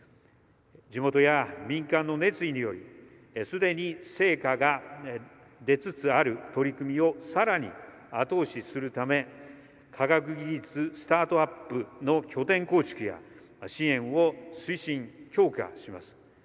地元や民間の熱意により既に成果が出つつある取り組みを更に後押しするため科学技術スタートアップの拠点構築や支援を推進・強化します。